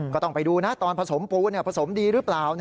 ก็ต้องไปดูนะตอนผสมปูผสมดีหรือเปล่า